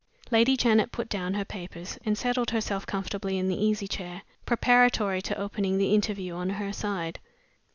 Lady Janet put down her papers, and settled herself comfortably in the easy chair, preparatory to opening the interview on her side.